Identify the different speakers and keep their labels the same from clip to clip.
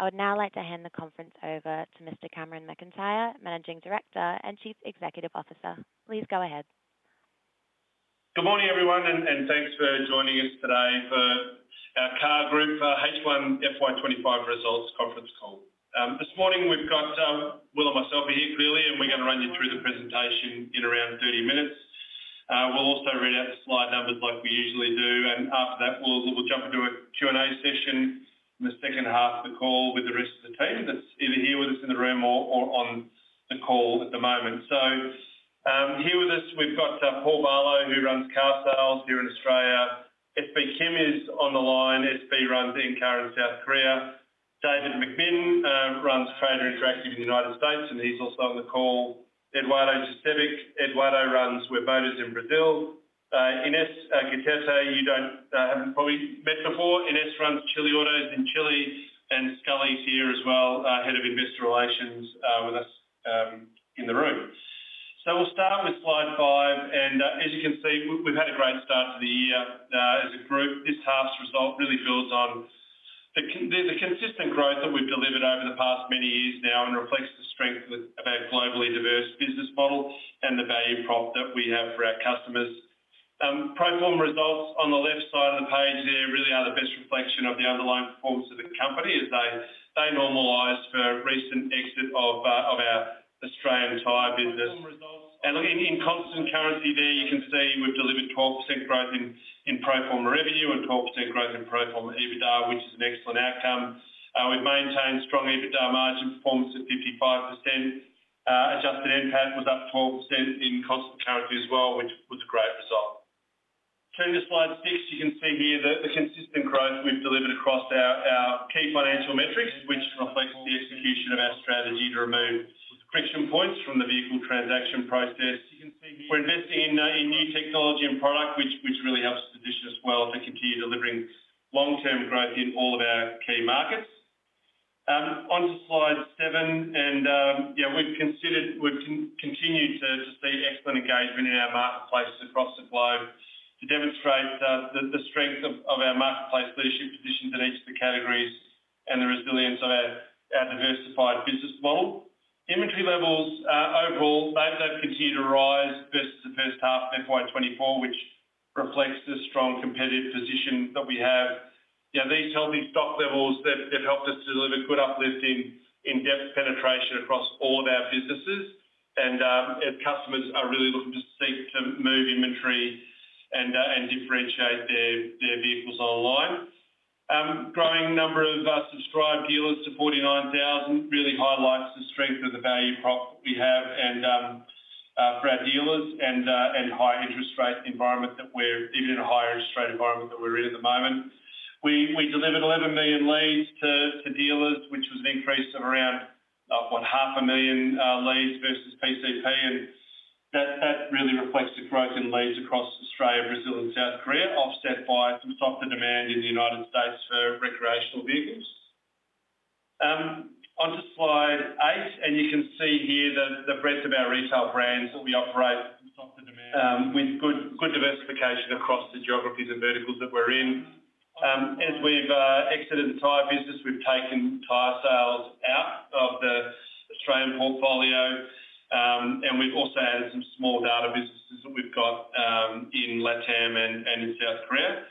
Speaker 1: I would now like to hand the conference over to Mr. Cameron McIntyre, Managing Director and Chief Executive Officer. Please go ahead.
Speaker 2: Good morning, everyone, and thanks for joining us today for our CAR Group H1 FY25 results conference call. This morning we've got Will and myself here clearly, and we're going to run you through the presentation in around 30 minutes. We'll also read out the slide numbers like we usually do, and after that we'll jump into a Q&A session in the second half of the call with the rest of the team that's either here with us in the room or on the call at the moment. So here with us we've got Paul Barlow who runs Carsales here in Australia, SB Kim is on the line, SB runs Encar in South Korea, David McMinn runs Trader Interactive in the United States and he's also on the call, Eduardo Jurcevic, Eduardo runs Webmotors in Brazil, Inés Guitarte you don't have probably met before, Inés runs Chileautos in Chile, and Scully's here as well, Head of Investor Relations with us in the room. So we'll start with slide five, and as you can see we've had a great start to the year as a group. This half's result really builds on the consistent growth that we've delivered over the past many years now and reflects the strength of our globally diverse business model and the value prop that we have for our customers. for some results on the left side of the page there really are the best reflection of the underlying performance of the company as they normalized for recent exit of our Australian tire business, and looking in constant currency there you can see we've delivered 12% growth in pro forma revenue and 12% growth in pro forma EBITDA, which is an excellent outcome. We've maintained strong EBITDA margin performance at 55%. Adjusted NPAT was up 12% in constant currency as well, which was a great result. Turning to slide six you can see here the consistent growth we've delivered across our key financial metrics, which reflects the execution of our strategy to remove friction points from the vehicle transaction process. You can see here we're investing in new technology and product, which really helps position us well to continue delivering long-term growth in all of our key markets. Onto slide seven. Yeah, we've continued to see excellent engagement in our marketplaces across the globe to demonstrate the strength of our marketplace leadership positions in each of the categories and the resilience of our diversified business model. Inventory levels overall. They've continued to rise versus the first half of FY24, which reflects the strong competitive position that we have. Yeah, these healthy stock levels. They've helped us to deliver good uplift in ad depth penetration across all of our businesses, and as customers are really looking to seek to move inventory and differentiate their vehicles online. Growing number of subscribed dealers to 49,000 really highlights the strength of the value prop that we have for our dealers and high interest rate environment that we're even in a higher interest rate environment that we're in at the moment. We delivered 11 million leads to dealers, which was an increase of around 500,000 leads versus PCP, and that really reflects the growth in leads across Australia, Brazil, and South Korea, offset by some soft demand in the United States for recreational vehicles. On to slide eight, and you can see here the breadth of our retail brands that we operate with good diversification across the geographies and verticals that we're in. As we've exited the tire business, we've taken tire sales out of the Australian portfolio, and we've also added some small data businesses that we've got in LATAM and in South Korea.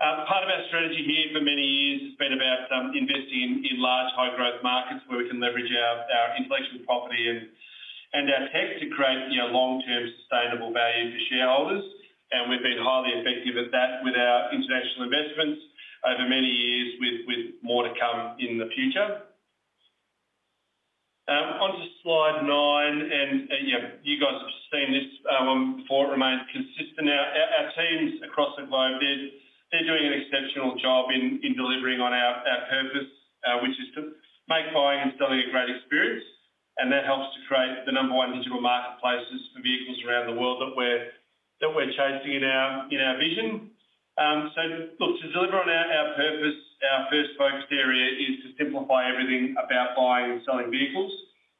Speaker 2: Part of our strategy here for many years has been about investing in large high growth markets where we can leverage our intellectual property and our tech to create long-term sustainable value for shareholders, and we've been highly effective at that with our international investments over many years with more to come in the future. Onto slide nine, and yeah you guys have seen this one before. It remains consistent. Our teams across the globe, they're doing an exceptional job in delivering on our purpose, which is to make buying and selling a great experience, and that helps to create the number one digital marketplaces for vehicles around the world that we're chasing in our vision. So look, to deliver on our purpose, our first focus area is to simplify everything about buying and selling vehicles,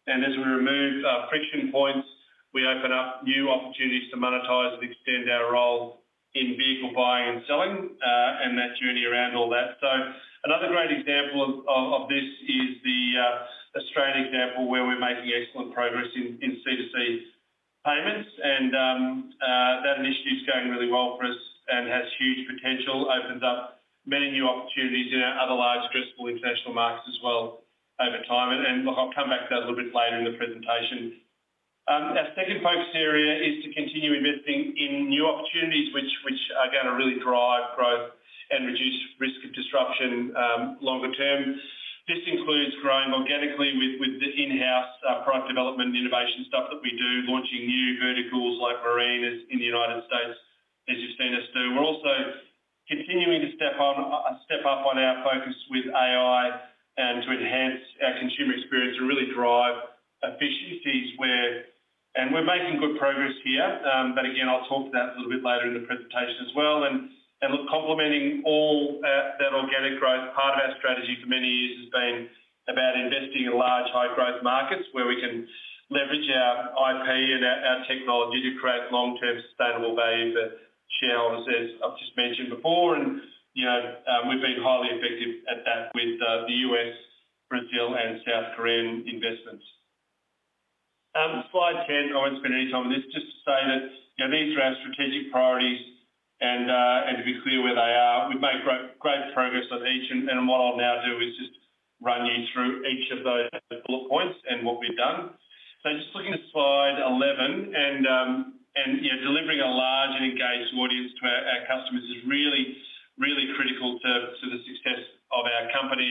Speaker 2: and as we remove friction points we open up new opportunities to monetize and extend our role in vehicle buying and selling and that journey around all that. So another great example of this is the Australian example where we're making excellent progress in C2C payments, and that initiative is going really well for us and has huge potential, opens up many new opportunities in our other large addressable international markets as well over time, and look I'll come back to that a little bit later in the presentation. Our second focus area is to continue investing in new opportunities which are going to really drive growth and reduce risk of disruption longer term. This includes growing organically with the in-house product development and innovation stuff that we do, launching new verticals like marine in the United States as you've seen us do. We're also continuing to step up on our focus with AI and to enhance our consumer experience and really drive efficiencies where, and we're making good progress here, but again I'll talk about that a little bit later in the presentation as well. And look, complementing all that organic growth, part of our strategy for many years has been about investing in large high growth markets where we can leverage our IP and our technology to create long-term sustainable value for shareholders as I've just mentioned before, and we've been highly effective at that with the U.S., Brazil, and South Korean investments. Slide 10. I won't spend any time on this, just to say that these are our strategic priorities and to be clear where they are. We've made great progress on each, and what I'll now do is just run you through each of those bullet points and what we've done. Just looking at slide 11, delivering a large and engaged audience to our customers is really, really critical to the success of our company,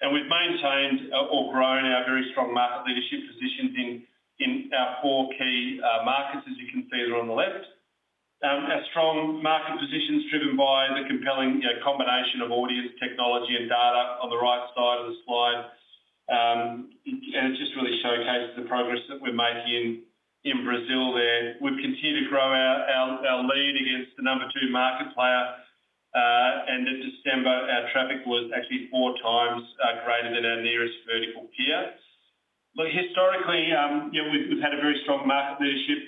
Speaker 2: and we've maintained or grown our very strong market leadership positions in our four key markets as you can see there on the left. Our strong market positions driven by the compelling combination of audience, technology, and data on the right side of the slide, and it just really showcases the progress that we're making in Brazil there. We've continued to grow our lead against the number two market player, and in December our traffic was actually four times greater than our nearest vertical peer. Look, historically we've had a very strong market leadership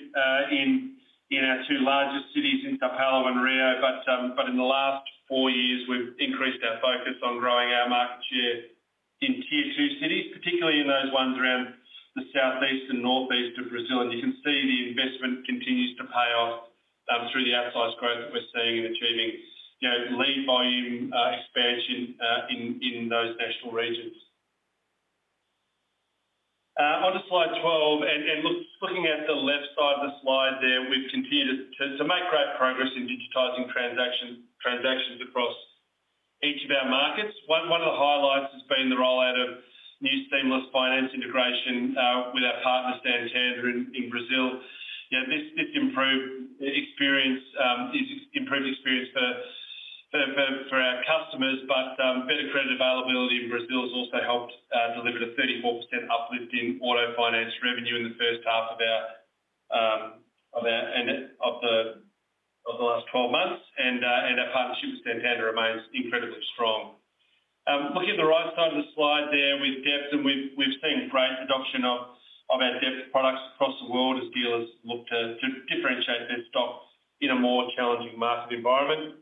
Speaker 2: in our two largest cities in São Paulo and Rio, but in the last four years we've increased our focus on growing our market share in tier two cities, particularly in those ones around the southeast and northeast of Brazil, and you can see the investment continues to pay off through the outsized growth that we're seeing and achieving lead volume expansion in those national regions. Onto slide 12, and look, just looking at the left side of the slide there we've continued to make great progress in digitizing transactions across each of our markets. One of the highlights has been the rollout of new seamless finance integration with our partner Santander in Brazil. Yeah, this improved experience for our customers, but better credit availability in Brazil has also helped deliver a 34% uplift in auto finance revenue in the first half of the last 12 months, and our partnership with Santander remains incredibly strong. Looking at the right side of the slide there with debt, and we've seen great adoption of our debt products across the world as dealers look to differentiate their stock in a more challenging market environment.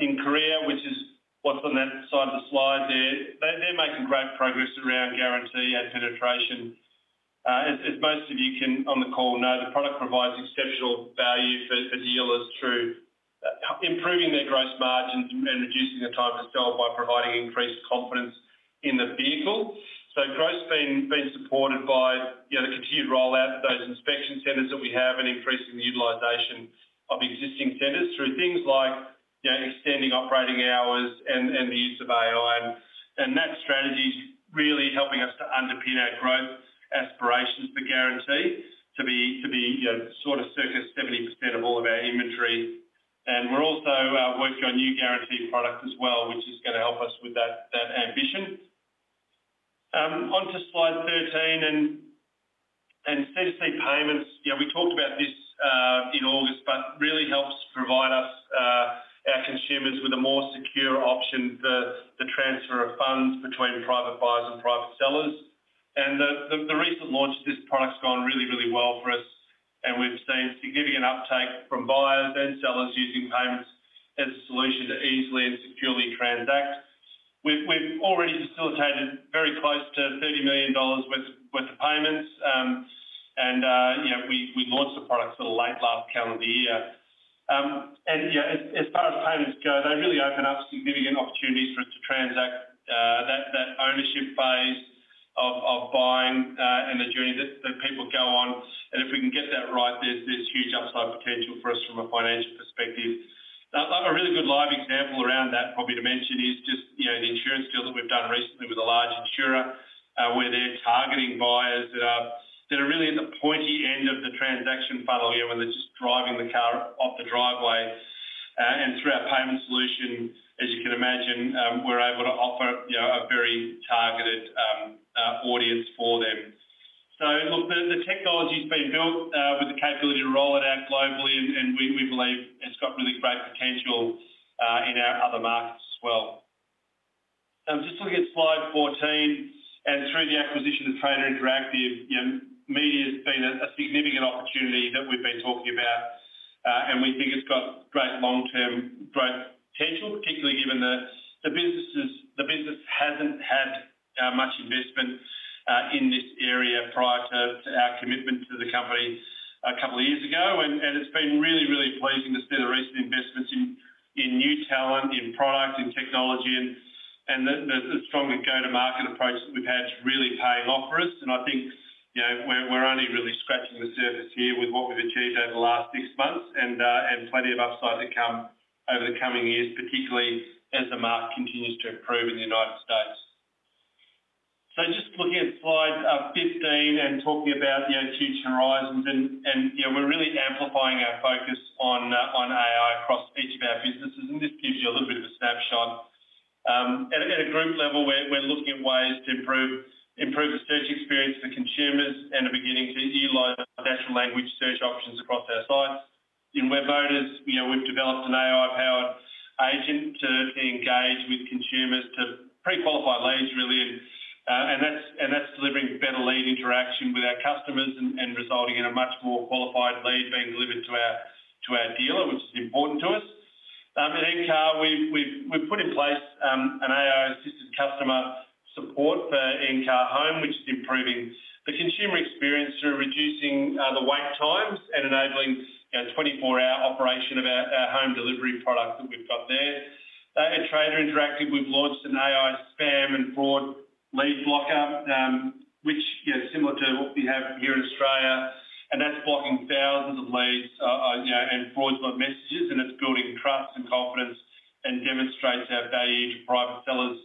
Speaker 2: In Korea, which is what's on that side of the slide there, they're making great progress around guarantee and penetration. As most of you on the call know, the product provides exceptional value for dealers through improving their gross margins and reducing the time to sell by providing increased confidence in the vehicle. So growth's been supported by the continued rollout of those inspection centers that we have and increasing the utilization of existing centers through things like extending operating hours and the use of AI, and that strategy is really helping us to underpin our growth aspirations for guarantee to be sort of circa 70% of all of our inventory, and we're also working on new guarantee products as well, which is going to help us with that ambition. Onto slide 13 and C2C payments, yeah we talked about this in August, but really helps provide us, our consumers, with a more secure option for the transfer of funds between private buyers and private sellers, and the recent launch of this product's gone really, really well for us, and we've seen significant uptake from buyers and sellers using payments as a solution to easily and securely transact. We've already facilitated very close to $30 million worth of payments, and yeah we launched the product sort of late last calendar year, and yeah as far as payments go, they really open up significant opportunities for us to transact that ownership phase of buying and the journey that people go on, and if we can get that right there's huge upside potential for us from a financial perspective. A really good live example around that probably to mention is just the insurance deal that we've done recently with a large insurer where they're targeting buyers that are really at the pointy end of the transaction funnel, you know when they're just driving the car off the driveway, and through our payment solution, as you can imagine, we're able to offer a very targeted audience for them. Look, the technology's been built with the capability to roll it out globally, and we believe it's got really great potential in our other markets as well. Now I'm just looking at slide 14, and through the acquisition of Trader Interactive, you know media's been a significant opportunity that we've been talking about, and we think it's got great long-term growth potential, particularly given that the business hasn't had much investment in this area prior to our commitment to the company a couple of years ago. And it's been really, really pleasing to see the recent investments in new talent, in product, in technology, and the stronger go-to-market approach that we've had is really paying off for us. And I think we're only really scratching the surface here with what we've achieved over the last six months, and plenty of upside to come over the coming years, particularly as the market continues to improve in the United States. So just looking at slide 15 and talking about future horizons, and yeah we're really amplifying our focus on AI across each of our businesses, and this gives you a little bit of a snapshot. At a group level we're looking at ways to improve the search experience for consumers and are beginning to utilize natural language search options across our sites. In Webmotors, we've developed an AI-powered agent to engage with consumers to pre-qualify leads really, and that's delivering better lead interaction with our customers and resulting in a much more qualified lead being delivered to our dealer, which is important to us. At Encar we've put in place an AI-assisted customer support for Encar Home, which is improving the consumer experience through reducing the wait times and enabling a 24-hour operation of our home delivery product that we've got there. At Trader Interactive we've launched an AI spam and fraud lead blocker, which is similar to what we have here in Australia, and that's blocking thousands of leads and fraudulent messages, and it's building trust and confidence and demonstrates our value to private sellers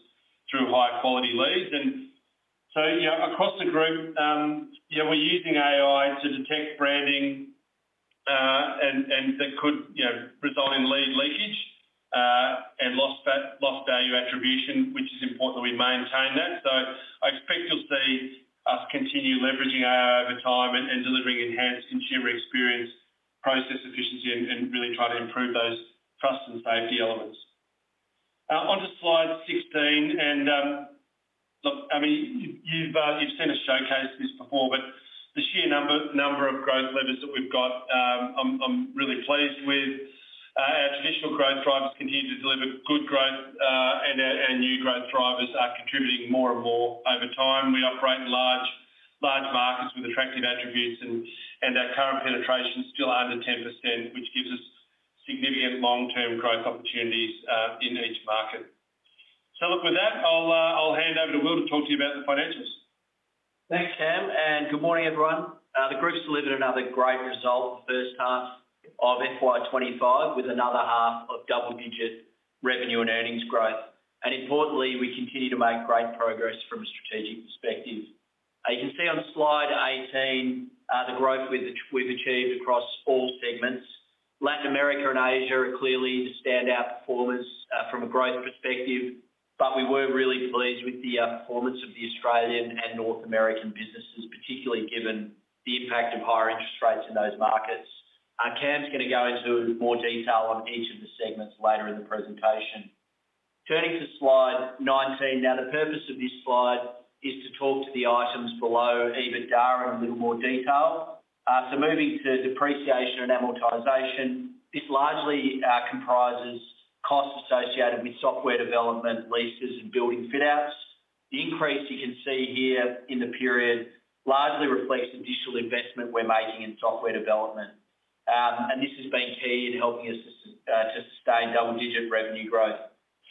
Speaker 2: through high-quality leads, and so yeah across the group, yeah we're using AI to detect branding that could result in lead leakage and lost value attribution, which is important that we maintain that, so I expect you'll see us continue leveraging AI over time and delivering enhanced consumer experience, process efficiency, and really try to improve those trust and safety elements. Onto slide 16, and look I mean you've seen us showcase this before, but the sheer number of growth levers that we've got I'm really pleased with. Our traditional growth drivers continue to deliver good growth, and our new growth drivers are contributing more and more over time. We operate in large markets with attractive attributes, and our current penetration is still under 10%, which gives us significant long-term growth opportunities in each market. So, with that, I'll hand over to Will to talk to you about the financials. Thanks Cam, and good morning everyone. The group's delivered another great result in the first half of FY25 with another half of double-digit revenue and earnings growth, and importantly we continue to make great progress from a strategic perspective. You can see on slide 18 the growth we've achieved across all segments. Latin America and Asia are clearly the standout performers from a growth perspective, but we were really pleased with the performance of the Australian and North American businesses, particularly given the impact of higher interest rates in those markets. Cam's going to go into more detail on each of the segments later in the presentation. Turning to slide 19, now the purpose of this slide is to talk to the items below EBITDA in a little more detail. So moving to depreciation and amortization, this largely comprises costs associated with software development, leases, and building fit-outs. The increase you can see here in the period largely reflects the digital investment we're making in software development, and this has been key in helping us to sustain double-digit revenue growth.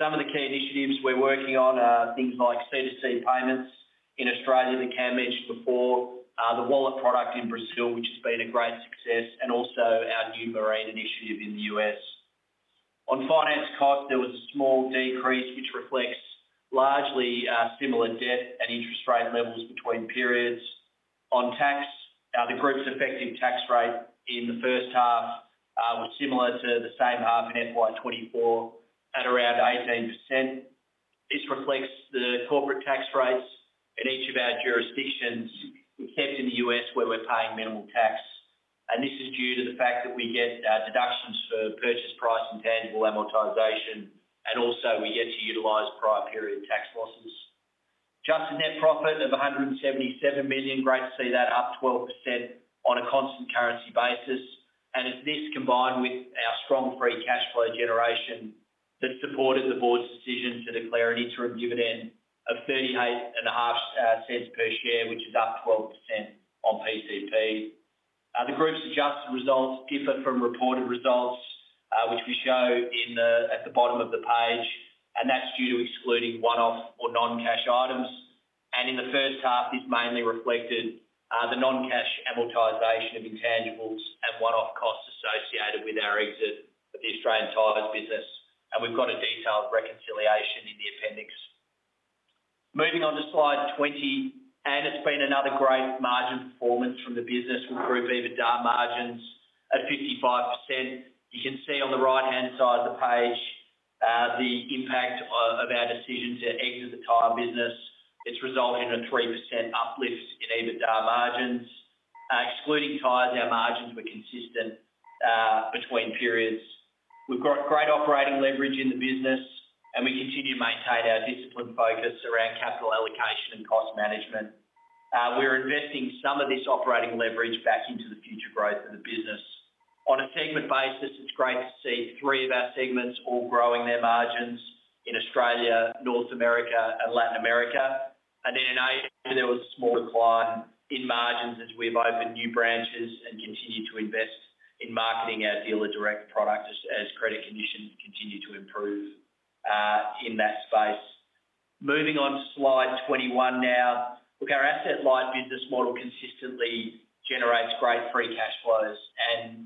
Speaker 2: Some of the key initiatives we're working on are things like C2C payments in Australia that Cam mentioned before, the wallet product in Brazil which has been a great success, and also our new marine initiative in the U.S. On finance costs there was a small decrease which reflects largely similar debt and interest rate levels between periods. On tax, the group's effective tax rate in the first half was similar to the same half in FY24 at around 18%. This reflects the corporate tax rates in each of our jurisdictions except in the U.S. where we're paying minimal tax, and this is due to the fact that we get deductions for purchase price and tangible amortization, and also we get to utilize prior period tax losses. Just the net profit of 177 million, great to see that up 12% on a constant currency basis, and it's this combined with our strong free cash flow generation that supported the board's decision to declare an interim dividend of 0.38 per share, which is up 12% on PCP. The group's adjusted results differ from reported results, which we show at the bottom of the page, and that's due to excluding one-off or non-cash items, and in the first half this mainly reflected the non-cash amortization of intangibles and one-off costs associated with our exit of the Australian tires business, and we've got a detailed reconciliation in the appendix. Moving on to slide 20, and it's been another great margin performance from the business with group EBITDA margins at 55%. You can see on the right-hand side of the page the impact of our decision to exit the tire business. It's resulted in a 3% uplift in EBITDA margins. Excluding tires, our margins were consistent between periods. We've got great operating leverage in the business, and we continue to maintain our disciplined focus around capital allocation and cost management. We're investing some of this operating leverage back into the future growth of the business. On a segment basis, it's great to see three of our segments all growing their margins in Australia, North America, and Latin America, and then in Asia there was a small decline in margins as we've opened new branches and continued to invest in marketing our dealer-direct product as credit conditions continue to improve in that space. Moving on to slide 21 now, look, our asset-light business model consistently generates great free cash flows, and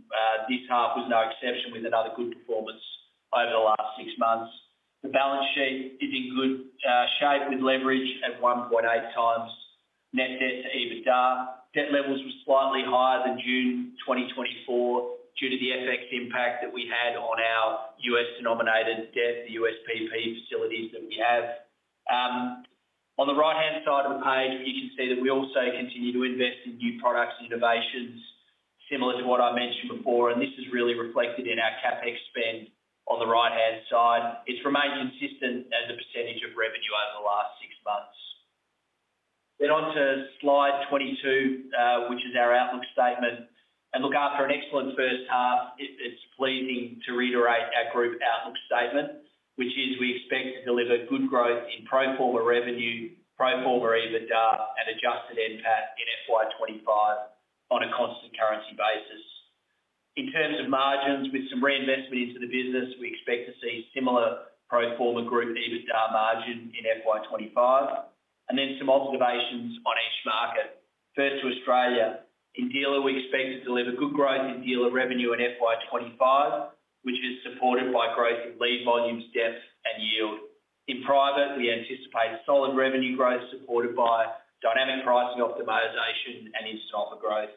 Speaker 2: this half was no exception with another good performance over the last six months. The balance sheet is in good shape with leverage at 1.8 times net debt to EBITDA. Debt levels were slightly higher than June 2024 due to the FX impact that we had on our U.S.-denominated debt, the USPP facilities that we have. On the right-hand side of the page you can see that we also continue to invest in new products and innovations similar to what I mentioned before, and this is really reflected in our CapEx spend on the right-hand side. It's remained consistent as a percentage of revenue over the last six months. Then on to slide 22, which is our outlook statement, and look after an excellent first half, it's pleasing to reiterate our group outlook statement, which is we expect to deliver good growth in pro forma revenue, pro forma EBITDA, and adjusted NPAT in FY25 on a constant currency basis. In terms of margins with some reinvestment into the business, we expect to see similar pro forma group EBITDA margin in FY25, and then some observations on each market. First to Australia, in dealer we expect to deliver good growth in dealer revenue in FY25, which is supported by growth in lead volumes, depth, and yield. In private, we anticipate solid revenue growth supported by dynamic pricing optimization and instant offer growth.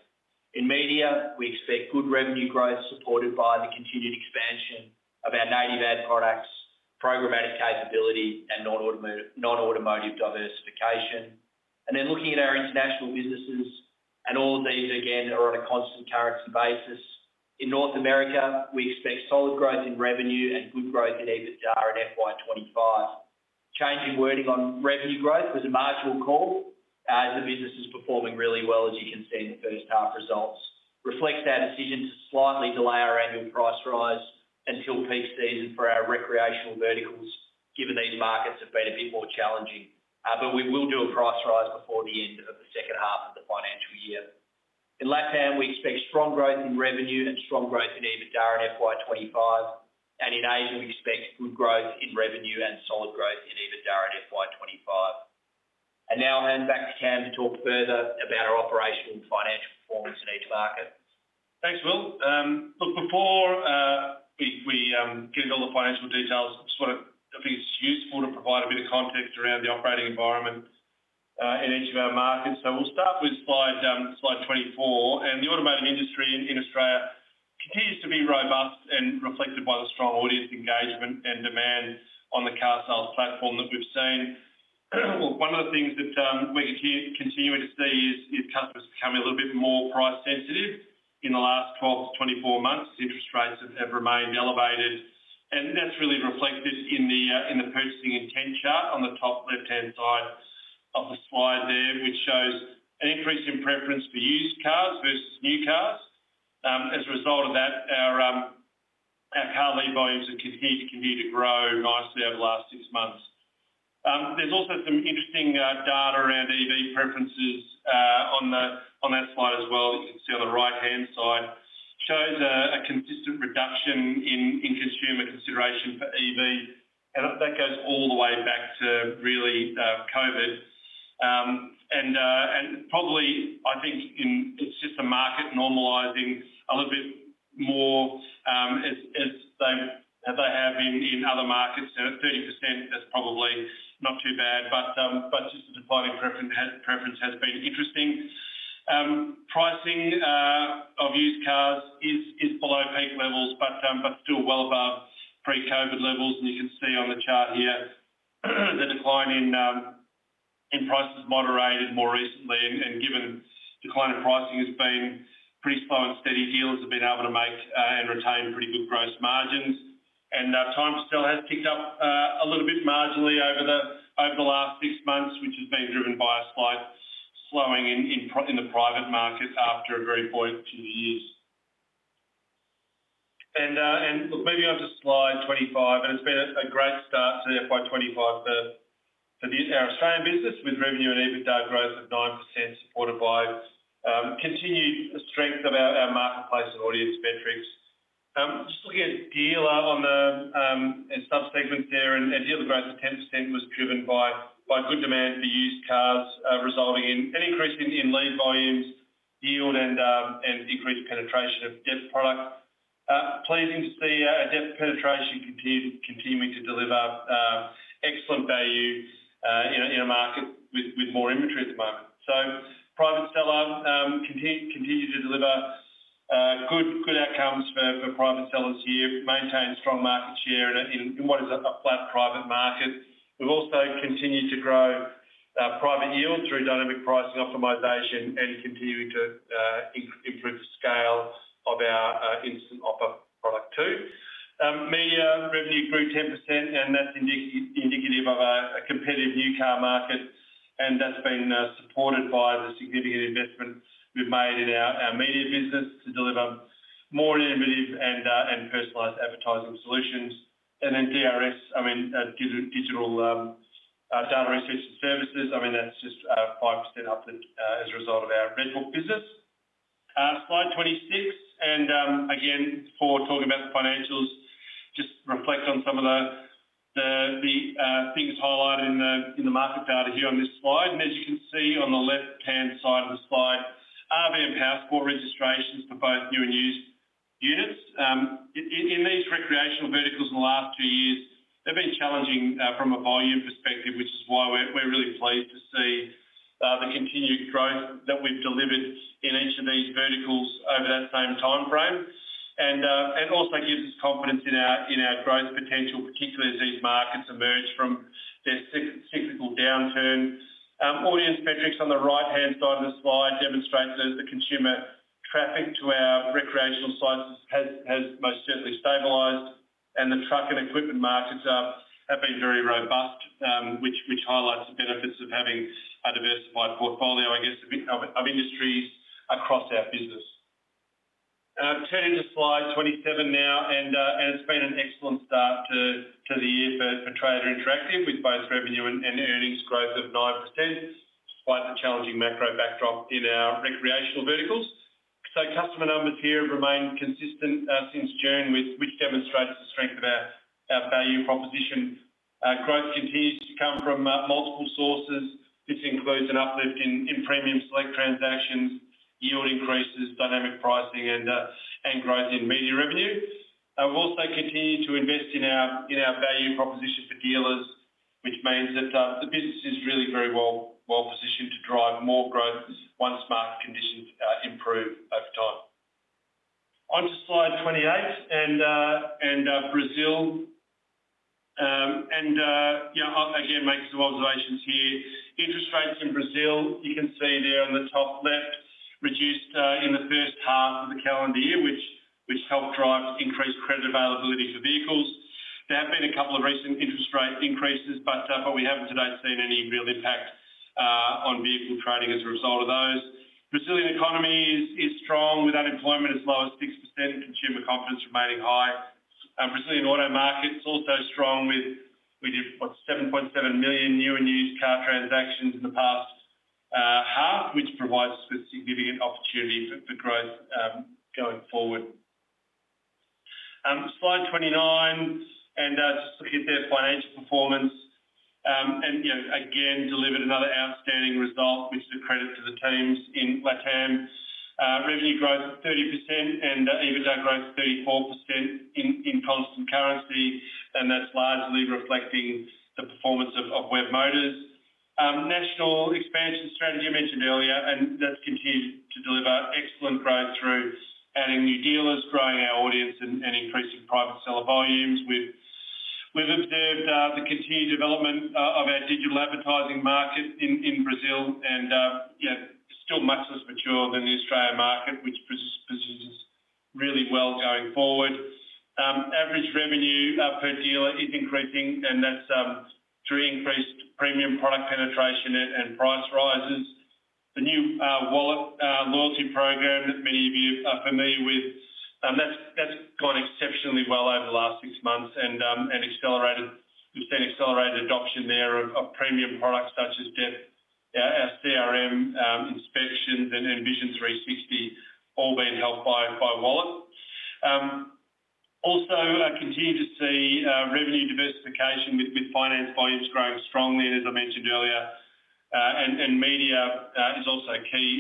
Speaker 2: In media, we expect good revenue growth supported by the continued expansion of our native ad products, programmatic capability, and non-automotive diversification, and then looking at our international businesses, and all of these again are on a constant currency basis. In North America, we expect solid growth in revenue and good growth in EBITDA in FY25. Changing wording on revenue growth was a marginal call as the business is performing really well, as you can see in the first half results. Reflects our decision to slightly delay our annual price rise until peak season for our recreational verticals given these markets have been a bit more challenging, but we will do a price rise before the end of the second half of the financial year. In LATAM, we expect strong growth in revenue and strong growth in EBITDA in FY25, and in Asia we expect good growth in revenue and solid growth in EBITDA in FY25. And now I'll hand back to Cam to talk further about our operational and financial performance in each market. Thanks Will. Look, before we get into all the financial details, I just want to, I think it's useful to provide a bit of context around the operating environment in each of our markets, so we'll start with slide 24, and the automotive industry in Australia continues to be robust and reflected by the strong audience engagement and demand on the car sales platform that we've seen. Look, one of the things that we're continuing to see is customers becoming a little bit more price sensitive in the last 12-24 months as interest rates have remained elevated, and that's really reflected in the purchasing intent chart on the top left-hand side of the slide there, which shows an increase in preference for used cars versus new cars. As a result of that, our car lead volumes have continued to grow nicely over the last six months. There's also some interesting data around EV preferences on that slide as well that you can see on the right-hand side. It shows a consistent reduction in consumer consideration for EV, and that goes all the way back to really COVID, and probably I think it's just the market normalizing a little bit more as they have in other markets, and at 30% that's probably not too bad, but just the declining preference has been interesting. Pricing of used cars is below peak levels but still well above pre-COVID levels, and you can see on the chart here the decline in prices moderated more recently, and given the decline in pricing has been pretty slow and steady, dealers have been able to make and retain pretty good gross margins, and our time to sale has picked up a little bit marginally over the last six months, which has been driven by a slight slowing in the private market after a very booming few years, and look, moving on to slide 25, and it's been a great start to FY25 for our Australian business with revenue and EBITDA growth of 9% supported by continued strength of our marketplace and audience metrics. Just looking at dealer on the subsegment there, and dealer growth of 10% was driven by good demand for used cars resulting in an increase in lead volumes, yield, and decreased penetration of depth product. Pleasing to see depth penetration continuing to deliver excellent value in a market with more inventory at the moment, so private seller continue to deliver good outcomes for private sellers here, maintain strong market share in what is a flat private market. We've also continued to grow private yield through Dynamic Pricing optimization and continuing to improve the scale of our Instant Offer product too. Media revenue grew 10%, and that's indicative of a competitive new car market, and that's been supported by the significant investment we've made in our media business to deliver more innovative and personalized advertising solutions. And then DRS, I mean Digital Data Research and Services, I mean that's just 5% up as a result of our RedBook business. Slide 26, and again before talking about the financials, just reflect on some of the things highlighted in the market data here on this slide, and as you can see on the left-hand side of the slide, RV and Powersports registrations for both new and used units. In these recreational verticals in the last two years, they've been challenging from a volume perspective, which is why we're really pleased to see the continued growth that we've delivered in each of these verticals over that same time frame, and also gives us confidence in our growth potential, particularly as these markets emerge from their cyclical downturn. Audience metrics on the right-hand side of the slide demonstrate that the consumer traffic to our recreational sites has most certainly stabilized, and the truck and equipment markets have been very robust, which highlights the benefits of having a diversified portfolio, I guess, of industries across our business. Turning to slide 27 now, and it's been an excellent start to the year for Trader Interactive with both revenue and earnings growth of 9% despite the challenging macro backdrop in our recreational verticals. So customer numbers here have remained consistent since June, which demonstrates the strength of our value proposition. Growth continues to come from multiple sources. This includes an uplift in Premium Select transactions, yield increases, Dynamic Pricing, and growth in media revenue. We've also continued to invest in our value proposition for dealers, which means that the business is really very well positioned to drive more growth once market conditions improve over time. On to slide 28 and Brazil. Yeah, again making some observations here. Interest rates in Brazil, you can see there on the top left, reduced in the first half of the calendar year, which helped drive increased credit availability for vehicles. There have been a couple of recent interest rate increases, but we haven't today seen any real impact on vehicle trading as a result of those. Brazilian economy is strong with unemployment as low as 6%, consumer confidence remaining high. Brazilian auto markets also strong with 7.7 million new and used car transactions in the past half, which provides us with significant opportunity for growth going forward. Slide 29, and just looking at their financial performance, and again delivered another outstanding result, which is a credit to the teams in LATAM. Revenue growth of 30% and EBITDA growth of 34% in constant currency, and that's largely reflecting the performance of Webmotors. National expansion strategy I mentioned earlier, and that's continued to deliver excellent growth through adding new dealers, growing our audience, and increasing private seller volumes. We've observed the continued development of our digital advertising market in Brazil, and yeah still much less mature than the Australian market, which positions us really well going forward. Average revenue per dealer is increasing, and that's through increased premium product penetration and price rises. The new Wallet loyalty program that many of you are familiar with, that's gone exceptionally well over the last six months, and we've seen accelerated adoption there of premium products such as depth, our CRM inspections, and Vision 360 all being helped by Wallet. Also continue to see revenue diversification with finance volumes growing strongly, and as I mentioned earlier, and media is also a key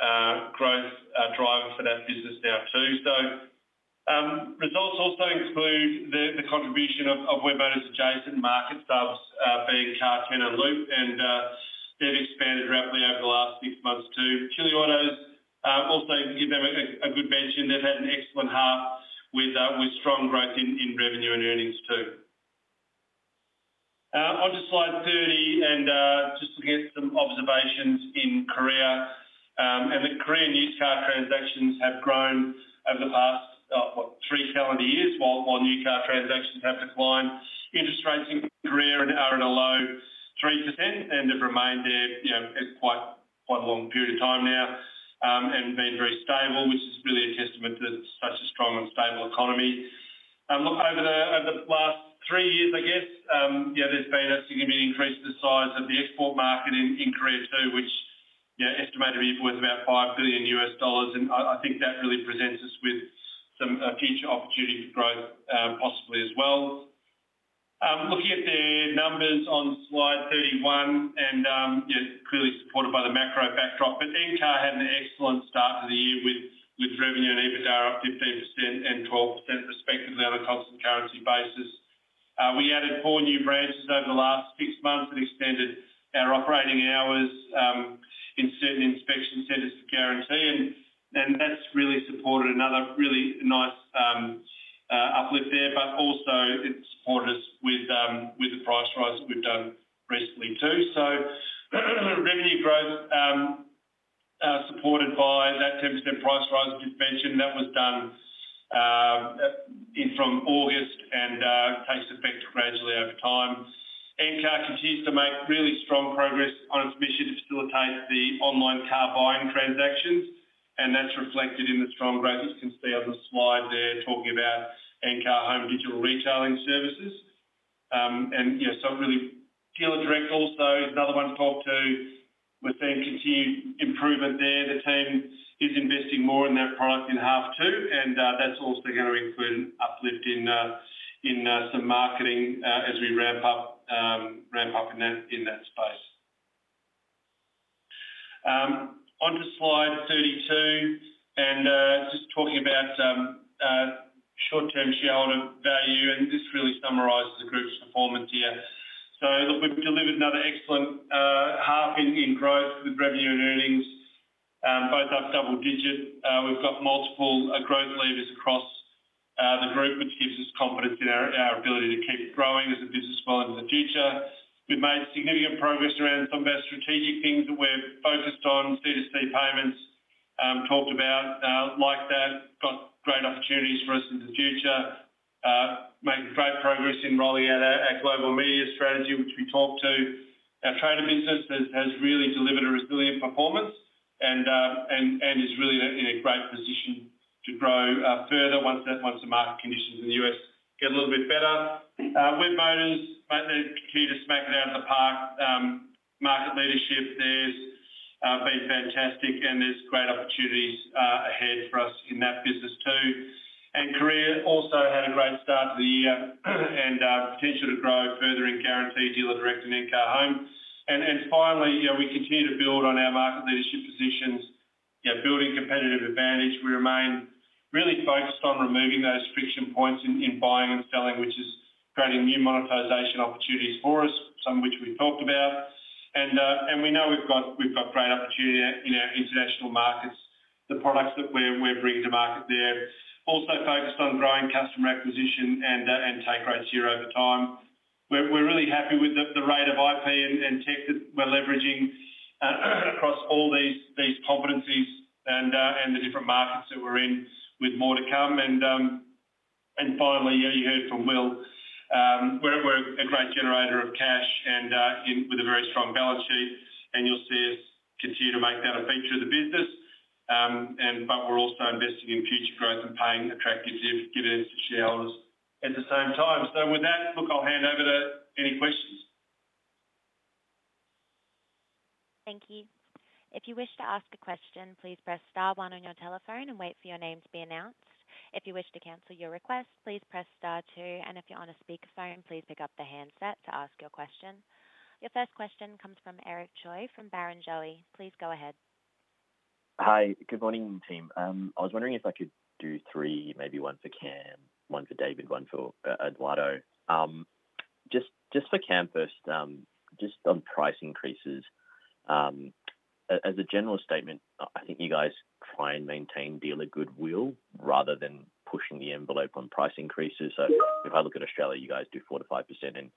Speaker 2: growth driver for that business now too, so results also include the contribution of Webmotors' adjacent market subs being Car10 and Loop, and they've expanded rapidly over the last six months too. Chileautos also give them a good benchmark in, they've had an excellent half with strong growth in revenue and earnings too. On to slide 30, and just looking at some observations in Korea, and the Korean used car transactions have grown over the past, what, three calendar years, while new car transactions have declined. Interest rates in Korea are at a low 3%, and they've remained there for quite a long period of time now, and been very stable, which is really a testament to such a strong and stable economy. Look over the last three years, I guess, yeah there's been a significant increase in the size of the export market in Korea too, which estimated to be worth about $5 billion, and I think that really presents us with some future opportunity for growth possibly as well. Looking at the numbers on slide 31, and clearly supported by the macro backdrop, but Encar had an excellent start to the year with revenue and EBITDA up 15% and 12% respectively on a constant currency basis. We added four new branches over the last six months and extended our operating hours in certain inspection centers for guarantee, and that's really supported another really nice uplift there, but also it supported us with the price rise that we've done recently too. So revenue growth supported by that 10% price rise we just mentioned, that was done from August and takes effect gradually over time. Encar continues to make really strong progress on its mission to facilitate the online car buying transactions, and that's reflected in the strong growth you can see on the slide there talking about Encar Home digital retailing services, and some really. Dealer Direct also is another one to talk to. We're seeing continued improvement there. The team is investing more in their product in H2 too, and that's also going to include an uplift in some marketing as we ramp up in that space. On to slide 32, and just talking about short-term shareholder value, and this really summarizes the group's performance here. Look, we've delivered another excellent half in growth with revenue and earnings, both up double-digit. We've got multiple growth levers across the group, which gives us confidence in our ability to keep growing as a business well into the future. We've made significant progress around some of our strategic things that we're focused on, C2C payments, talked about like that, got great opportunities for us in the future, made great progress in rolling out our global media strategy, which we talked to. Our Trader business has really delivered a resilient performance and is really in a great position to grow further once the market conditions in the U.S. get a little bit better. Webmotors, they're knocking out of the park. Market leadership there's been fantastic, and there's great opportunities ahead for us in that business too. Korea also had a great start to the year and potential to grow further in Guarantee, Dealer Direct, and Encar Home. Finally, yeah, we continue to build on our market leadership positions, yeah, building competitive advantage. We remain really focused on removing those friction points in buying and selling, which is creating new monetization opportunities for us, some of which we've talked about, and we know we've got great opportunity in our international markets, the products that we're bringing to market there. Also focused on growing customer acquisition and take rates here over time. We're really happy with the rate of IP and tech that we're leveraging across all these competencies and the different markets that we're in with more to come. And finally, yeah you heard from Will, we're a great generator of cash and with a very strong balance sheet, and you'll see us continue to make that a feature of the business, but we're also investing in future growth and paying attractive dividends to shareholders at the same time. So with that, look I'll hand over to any questions.
Speaker 1: Thank you. If you wish to ask a question, please press star one on your telephone and wait for your name to be announced. If you wish to cancel your request, please press star two, and if you're on a speakerphone, please pick up the handset to ask your question. Your first question comes from Eric Choi from Barrenjoey. Please go ahead.
Speaker 3: Hi, Good morning team. I was wondering if I could do three, maybe one for Cam, one for David, one for Eduardo. Just for Cam first, just on price increases, as a general statement, I think you guys try and maintain dealer goodwill rather than pushing the envelope on price increases. So if I look at Australia, you guys do 4%-5%, and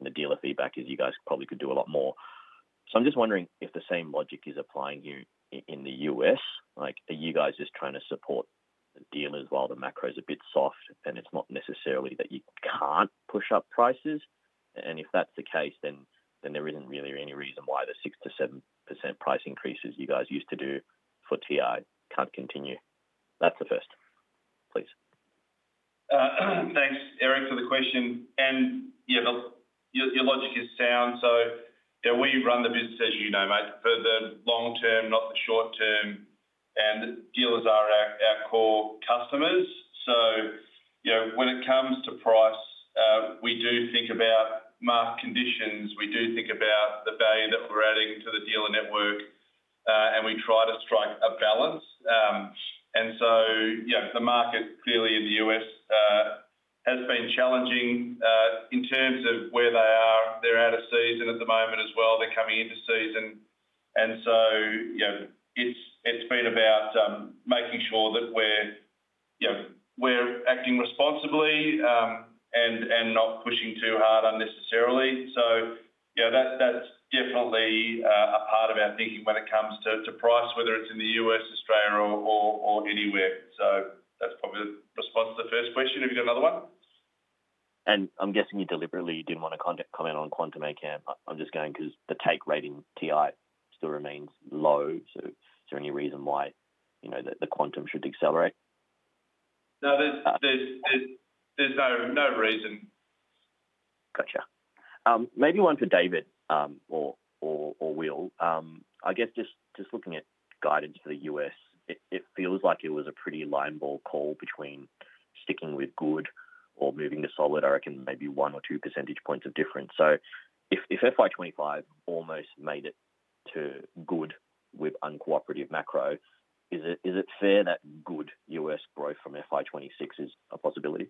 Speaker 3: the dealer feedback is you guys probably could do a lot more. So I'm just wondering if the same logic is applying here in the U.S., like are you guys just trying to support the dealers while the macro is a bit soft and it's not necessarily that you can't push up prices? And if that's the case, then there isn't really any reason why the 6%-7% price increases you guys used to do for TI can't continue. That's the first, please.
Speaker 2: Thanks Eric for the question, and yeah your logic is sound. So we run the business as you know, mate, for the long term, not the short term, and dealers are our core customers. So when it comes to price, we do think about market conditions, we do think about the value that we're adding to the dealer network, and we try to strike a balance. And so the market clearly in the U.S. has been challenging in terms of where they are. They're out of season at the moment as well, they're coming into season, and so it's been about making sure that we're acting responsibly and not pushing too hard unnecessarily. So yeah, that's definitely a part of our thinking when it comes to price, whether it's in the U.S., Australia, or anywhere. So that's probably the response to the first question. Have you got another one?
Speaker 3: And I'm guessing you deliberately didn't want to comment on quantum, Cam. I'm just going because the take rate in TI still remains low, so is there any reason why the quantum should decelerate?
Speaker 2: No, there's no reason.
Speaker 3: Gotcha. Maybe one for David or Will. I guess just looking at guidance for the U.S., it feels like it was a pretty line ball call between sticking with good or moving to solid. I reckon maybe one or two percentage points of difference. So if FY25 almost made it to good with uncooperative macro, is it fair that good U.S. growth from FY26 is a possibility?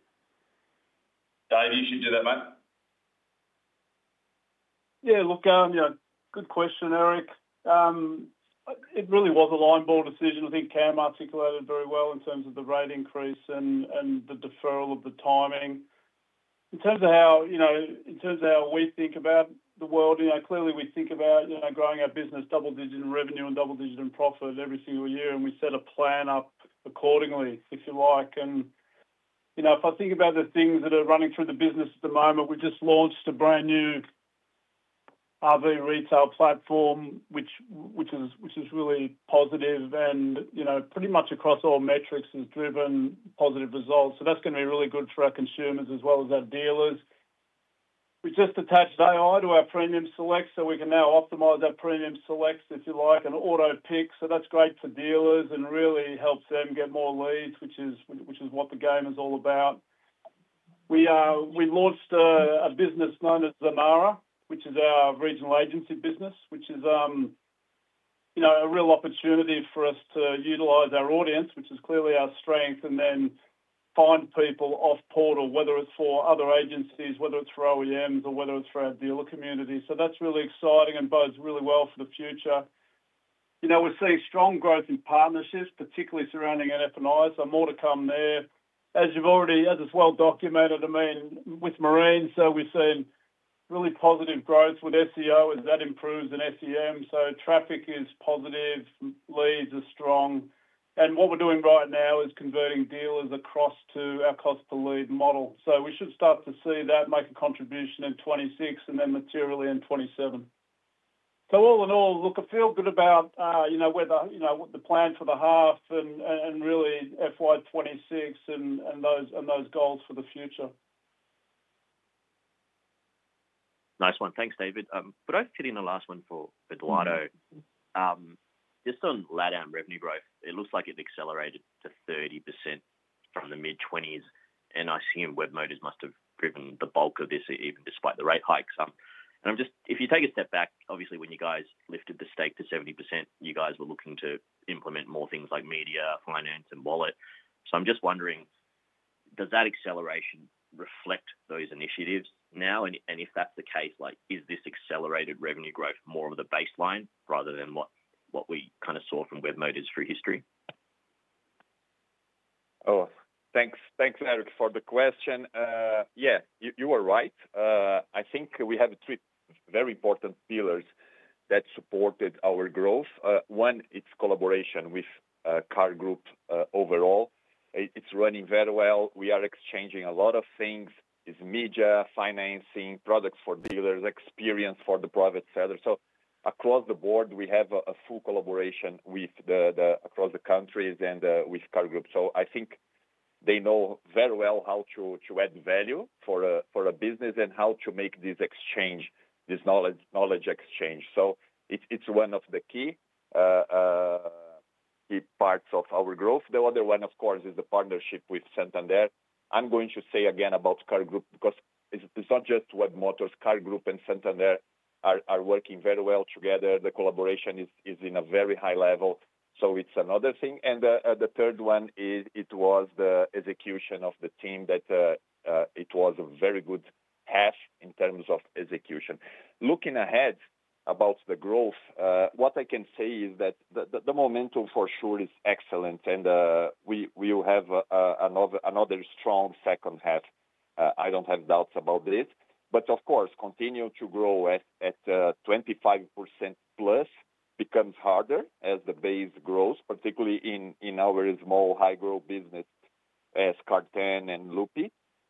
Speaker 3: Dave, you should do that, mate.
Speaker 4: Yeah, look, good question Eric. It really was a line ball decision. I think Cam articulated very well in terms of the rate increase and the deferral of the timing. In terms of how we think about the world, clearly we think about growing our business, double digit in revenue and double digit in profit every single year, and we set a plan up accordingly, if you like, and if I think about the things that are running through the business at the moment, we just launched a brand new RV retail platform, which is really positive and pretty much across all metrics has driven positive results, so that's going to be really good for our consumers as well as our dealers. We just attached AI to our Premium Select, so we can now optimize our Premium Select, if you like, and AutoPick. So that's great for dealers and really helps them get more leads, which is what the game is all about. We launched a business known as Zonara, which is our regional agency business, which is a real opportunity for us to utilize our audience, which is clearly our strength, and then find people off portal, whether it's for other agencies, whether it's for OEMs, or whether it's for our dealer community. So that's really exciting and bodes really well for the future. We're seeing strong growth in partnerships, particularly surrounding F&I, so more to come there. As you've already as well documented, I mean, with Marine, so we've seen really positive growth with SEO as that improves in SEM. So traffic is positive, leads are strong, and what we're doing right now is converting dealers across to our cost per lead model. So we should start to see that make a contribution in 2026 and then materially in 2027. So all in all, look, I feel good about whether the plan for the half and really FY 2026 and those goals for the future.
Speaker 3: Nice one, thanks David. But I've put in the last one for Eduardo. Just on LATAM revenue growth, it looks like it's accelerated to 30% from the mid-20s, and I assume Webmotors must have driven the bulk of this even despite the rate hikes. And I'm just, if you take a step back, obviously when you guys lifted the stake to 70%, you guys were looking to implement more things like media, finance, and Wallet. So I'm just wondering, does that acceleration reflect those initiatives now? And if that's the case, is this accelerated revenue growth more of the baseline rather than what we kind of saw from Webmotors through history?
Speaker 5: Oh, thanks Eric for the question. Yeah, you were right. I think we have three very important pillars that supported our growth. One, it's collaboration with CAR Group overall. It's running very well. We are exchanging a lot of things. It's media, financing, products for dealers, experience for the private sellers. So across the board, we have a full collaboration across the countries and with CAR Group. So I think they know very well how to add value for a business and how to make this exchange, this knowledge exchange. So it's one of the key parts of our growth. The other one, of course, is the partnership with Santander. I'm going to say again about CAR Group because it's not just Webmotors. CAR Group and Santander are working very well together. The collaboration is in a very high level. So it's another thing. And the third one is it was the execution of the team that it was a very good half in terms of execution. Looking ahead about the growth, what I can say is that the momentum for sure is excellent, and we will have another strong second half. I don't have doubts about this. But of course, continue to grow at 25% plus becomes harder as the base grows, particularly in our small high-growth business as Car10 and Loop.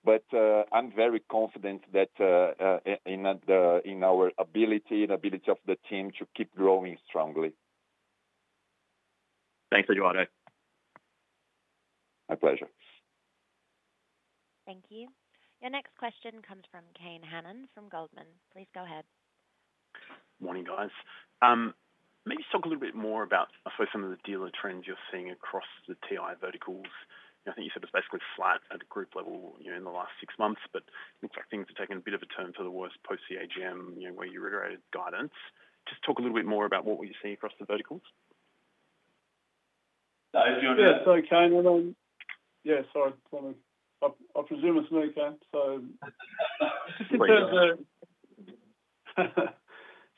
Speaker 5: But I'm very confident in our ability and ability of the team to keep growing strongly.
Speaker 3: Thanks, Eduardo.
Speaker 5: My pleasure.
Speaker 1: Thank you. Your next question comes from Kane Hannan from Goldman. Please go ahead.
Speaker 6: Morning, guys. Maybe talk a little bit more about some of the dealer trends you're seeing across the TI verticals. I think you said it was basically flat at a group level in the last six months, but it looks like things are taking a bit of a turn for the worse post-CAGM, where you reiterated guidance. Just talk a little bit more about what you're seeing across the verticals.
Speaker 2: Dave, do you want to?
Speaker 4: Yeah, sorry, Kane. Yeah, sorry. I presume it's me, Kane. So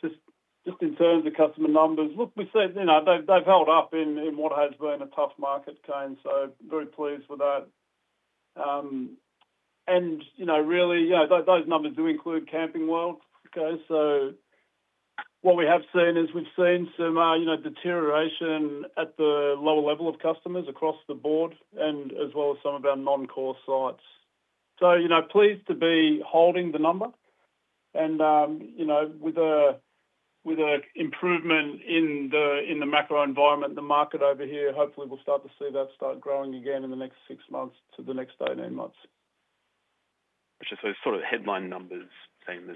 Speaker 4: just in terms of customer numbers, look, we've said they've held up in what has been a tough market, Kane, so very pleased with that. And really, those numbers do include Camping World. So what we have seen is we've seen some deterioration at the lower level of customers across the board and as well as some of our non-core sites. So pleased to be holding the number. And with an improvement in the macro environment, the market over here, hopefully we'll start to see that start growing again in the next six months to the next 18 months.
Speaker 6: So sort of headline numbers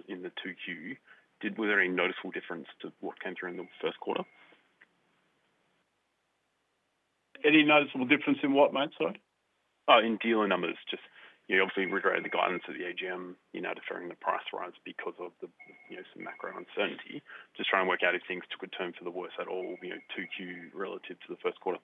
Speaker 6: in the 2Q, did we have any noticeable difference to what came through in the first quarter?
Speaker 4: Any noticeable difference in what, mate? Sorry.
Speaker 6: Oh, in dealer numbers. Just obviously reiterated the guidance of the AGM, deferring the price rise because of some macro uncertainty. Just trying to work out if things took a turn for the worse at all, 2Q relative to the first quarter.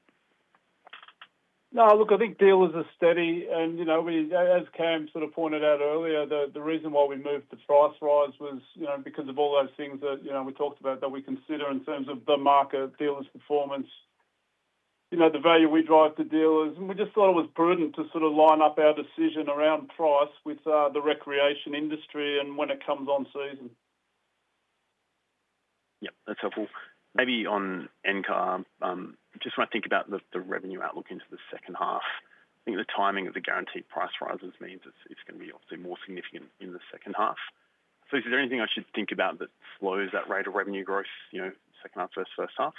Speaker 4: No, look, I think dealers are steady. As Cam sort of pointed out earlier, the reason why we moved the price rise was because of all those things that we talked about that we consider in terms of the market, dealers' performance, the value we drive to dealers. We just thought it was prudent to sort of line up our decision around price with the recreation industry and when it comes on season.
Speaker 6: Yep, that's helpful. Maybe on Encar, just when I think about the revenue outlook into the second half, I think the timing of the guaranteed price rises means it's going to be obviously more significant in the second half. Is there anything I should think about that slows that rate of revenue growth, second half, first half?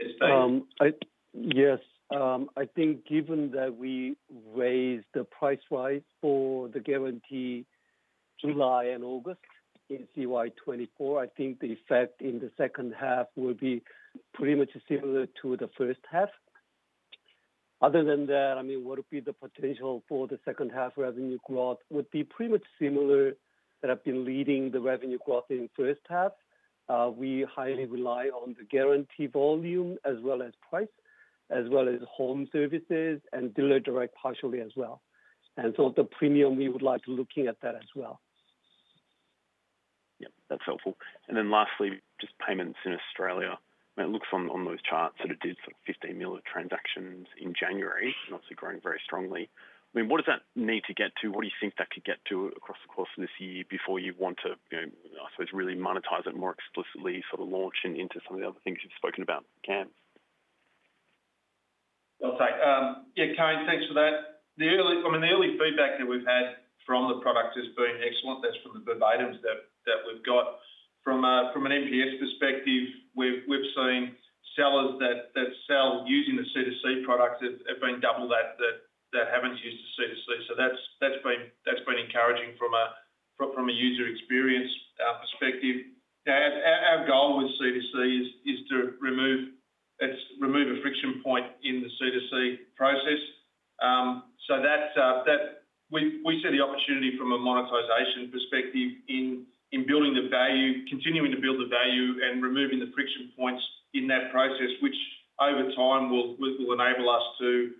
Speaker 7: Yes, Dave. Yes, I think given that we raised the price rise for the guarantee July and August in CY24, I think the effect in the second half will be pretty much similar to the first half. Other than that, I mean, what would be the potential for the second half revenue growth would be pretty much similar that have been leading the revenue growth in first half. We highly rely on the guarantee volume as well as price, as well as home services and dealer direct partially as well. And so the premium, we would like to look at that as well.
Speaker 6: Yep, that's helpful. And then lastly, just payments in Australia. It looks on those charts that it did sort of 15 million transactions in January, obviously growing very strongly. I mean, what does that need to get to? What do you think that could get to across the course of this year before you want to, I suppose, really monetize it more explicitly, sort of launch into some of the other things you've spoken about, Cam?
Speaker 2: Yeah, Kane, thanks for that. I mean, the early feedback that we've had from the product has been excellent. That's from the beta items that we've got. From an MPS perspective, we've seen sellers that sell using the C2C products have been double that haven't used the C2C. So that's been encouraging from a user experience perspective. Our goal with C2C is to remove a friction point in the C2C process. So we see the opportunity from a monetization perspective in building the value, continuing to build the value and removing the friction points in that process, which over time will enable us to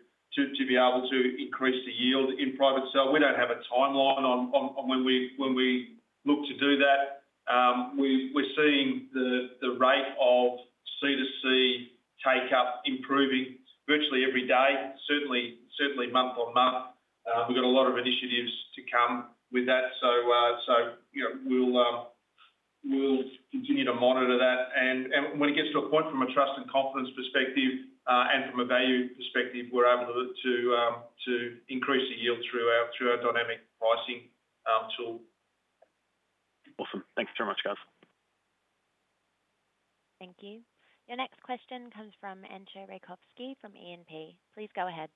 Speaker 2: be able to increase the yield in private sale. We don't have a timeline on when we look to do that. We're seeing the rate of C2C take-up improving virtually every day, certainly month on month. We've got a lot of initiatives to come with that. So we'll continue to monitor that. And when it gets to a point from a trust and confidence perspective and from a value perspective, we're able to increase the yield through our dynamic pricing tool.
Speaker 6: Awesome. Thanks very much, guys.
Speaker 1: Thank you. Your next question comes from Entcho Raykovski from E&P. Please go ahead.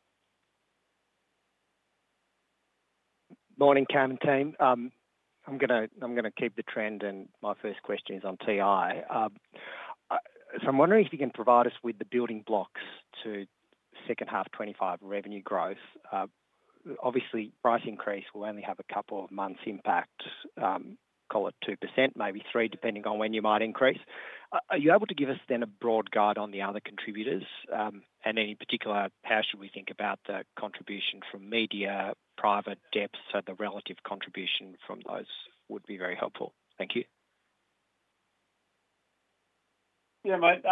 Speaker 8: Morning, Cam and team. I'm going to keep the trend, and my first question is on TI. I'm wondering if you can provide us with the building blocks to second half 2025 revenue growth. Obviously, price increase will only have a couple of months' impact. Call it 2%, maybe 3%, depending on when you might increase. Are you able to give us then a broad guide on the other contributors? And in particular, how should we think about the contribution from media, private depth? The relative contribution from those would be very helpful. Thank you.
Speaker 4: Yeah, mate.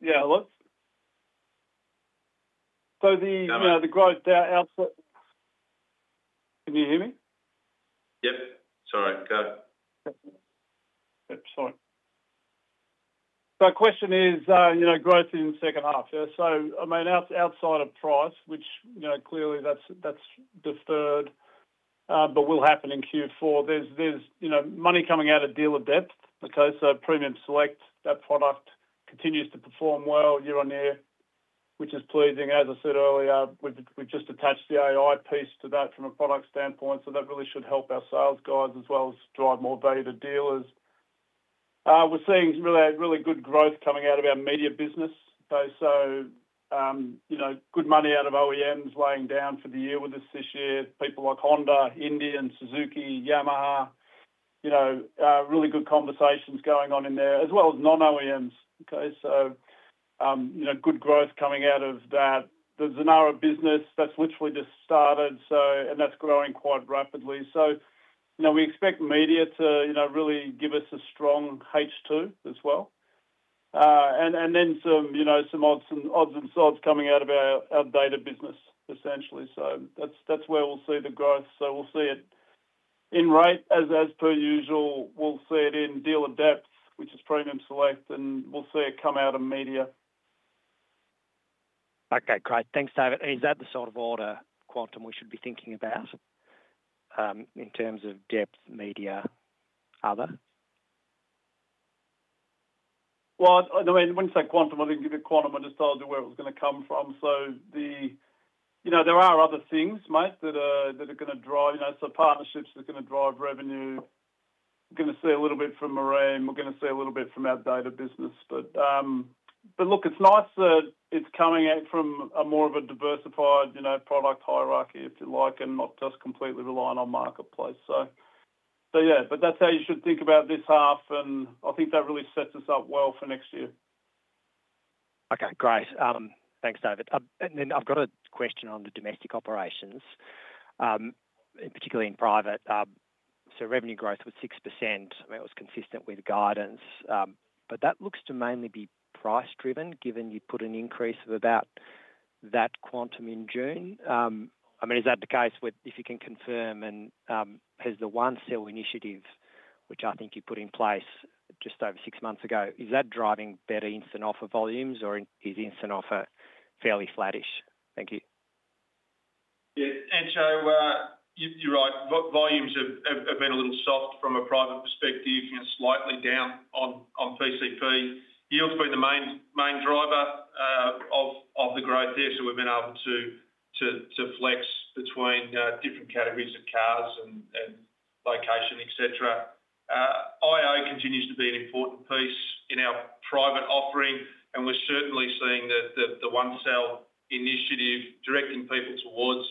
Speaker 4: Yeah, look. The growth outlook. Question is growth in second half. I mean, outside of price, which clearly that's deferred, but will happen in Q4. There's money coming out of dealer depth. Premium Select, that product continues to perform well year on year, which is pleasing. As I said earlier, we've just attached the AI piece to that from a product standpoint. So that really should help our sales guys as well as drive more value to dealers. We're seeing really good growth coming out of our media business. So good money out of OEMs laying down for the year with us this year. People like Honda, Indian, and Suzuki, Yamaha. Really good conversations going on in there, as well as non-OEMs. So good growth coming out of that. The Zonara business, that's literally just started, and that's growing quite rapidly. So we expect media to really give us a strong H2 as well. And then some odds and sods coming out of our data business, essentially. So that's where we'll see the growth. So we'll see it in rate, as per usual. We'll see it in dealer depth, which is Premium Select, and we'll see it come out of media.
Speaker 8: Okay, great. Thanks, David. Is that the sort of order quantum we should be thinking about in terms of depth, media, other?
Speaker 4: Well, I mean, when you say quantum, I didn't give you quantum. I just told you where it was going to come from. So there are other things, mate, that are going to drive. So partnerships are going to drive revenue. We're going to see a little bit from Marine. We're going to see a little bit from our data business. But look, it's nice that it's coming out from a more of a diversified product hierarchy, if you like, and not just completely relying on marketplace. So yeah, but that's how you should think about this half. And I think that really sets us up well for next year.
Speaker 8: Okay, great. Thanks, David, and then I've got a question on the domestic operations, particularly in private. So revenue growth was 6%. I mean, it was consistent with guidance. But that looks to mainly be price-driven, given you put an increase of about that quantum in June. I mean, is that the case with, if you can confirm, and has the one sale initiative, which I think you put in place just over six months ago, is that driving better instant offer volumes, or is instant offer fairly flattish? Thank you.
Speaker 2: Yeah, Entcho, you're right. Volumes have been a little soft from a private perspective, slightly down on PCP. Yield's been the main driver of the growth here. So we've been able to flex between different categories of cars and location, etc. IO continues to be an important piece in our private offering. And we're certainly seeing the one sale initiative directing people towards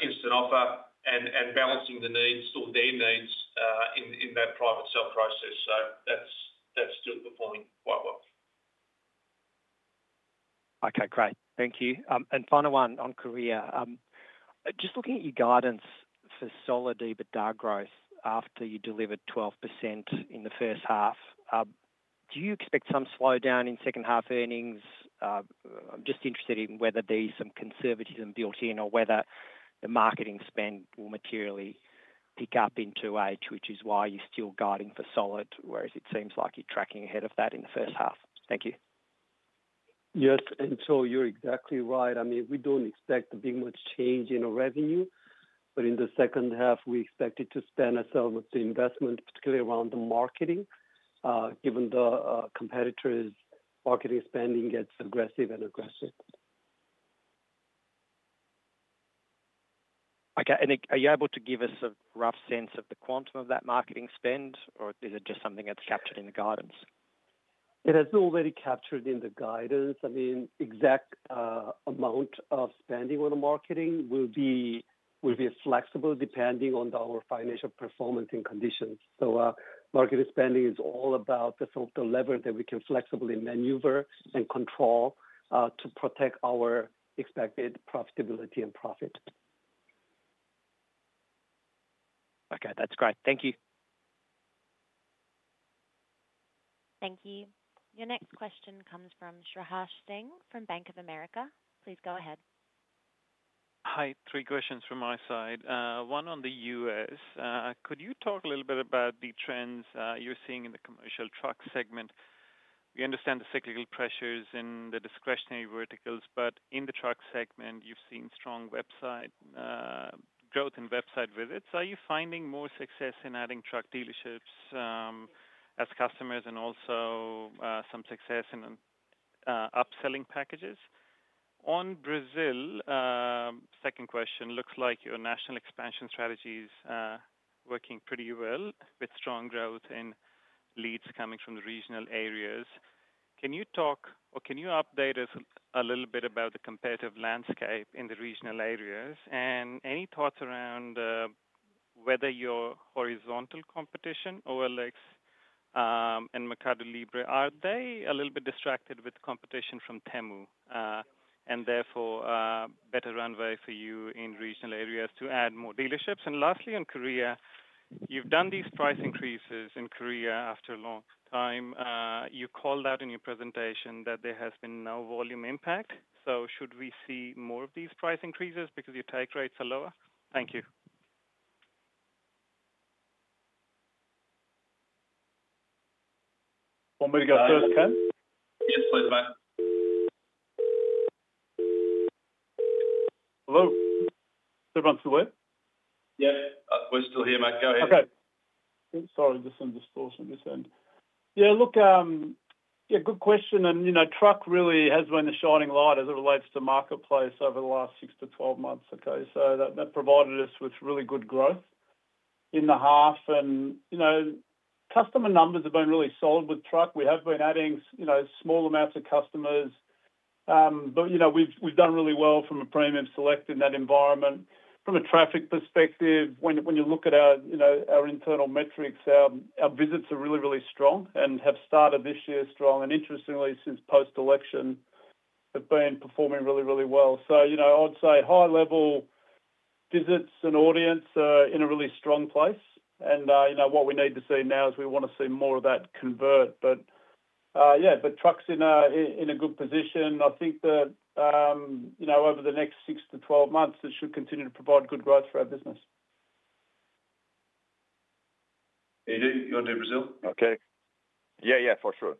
Speaker 2: Instant Offer and balancing the needs or their needs in that private sale process. So that's still performing quite well.
Speaker 8: Okay, great. Thank you. And final one on Korea. Just looking at your guidance for Encar EBITDA growth after you delivered 12% in the first half, do you expect some slowdown in second half earnings? I'm just interested in whether there's some conservatism built in or whether the marketing spend will materially pick up into H2, which is why you're still guiding for solid, whereas it seems like you're tracking ahead of that in the first half. Thank you.
Speaker 7: Yes, Entcho, you're exactly right. I mean, we don't expect much of a change in revenue. In the second half, we expected to spend ourselves with the investment, particularly around the marketing, given the competitors' marketing spending gets aggressive.
Speaker 8: Okay. And are you able to give us a rough sense of the quantum of that marketing spend, or is it just something that's captured in the guidance?
Speaker 7: It has already captured in the guidance. I mean, exact amount of spending on the marketing will be flexible depending on our financial performance and conditions. So marketing spending is all about the lever that we can flexibly maneuver and control to protect our expected profitability and profit.
Speaker 8: Okay, that's great. Thank you.
Speaker 1: Thank you. Your next question comes from Shreyas Singh from Bank of America. Please go ahead. Hi, three questions from my side. One on the U.S. Could you talk a little bit about the trends you're seeing in the commercial truck segment? We understand the cyclical pressures in the discretionary verticals, but in the truck segment, you've seen strong growth in website visits. Are you finding more success in adding truck dealerships as customers and also some success in upselling packages? On Brazil, second question, looks like your national expansion strategy is working pretty well with strong growth in leads coming from the regional areas. Can you talk or can you update us a little bit about the competitive landscape in the regional areas? And any thoughts around whether your horizontal competition, OLX and Mercado Libre, are they a little bit distracted with competition from Temu and therefore better runway for you in regional areas to add more dealerships? And lastly, on Korea, you've done these price increases in Korea after a long time. You called out in your presentation that there has been no volume impact. So should we see more of these price increases because your take rates are lower? Thank you.
Speaker 4: Want me to go first, Cam?
Speaker 2: Yes, please, mate.
Speaker 4: Hello. Everyone still there?
Speaker 2: Yep, we're still here, mate. Go ahead.
Speaker 4: Okay. Sorry, just some distortion on this end. Yeah, look, yeah, good question. Truck really has been the shining light as it relates to marketplace over the last 6-12 months. That provided us with really good growth in the half. Customer numbers have been really solid with truck. We have been adding small amounts of customers. But we've done really well from a Premium Select in that environment. From a traffic perspective, when you look at our internal metrics, our visits are really, really strong and have started this year strong. Interestingly, since post-election, they've been performing really, really well. So I'd say high-level visits and audience are in a really strong place. And what we need to see now is we want to see more of that conversion. But yeah, but Trader's in a good position. I think that over the next six to 12 months, it should continue to provide good growth for our business. You're doing Brazil?
Speaker 5: Okay. Yeah, yeah, for sure.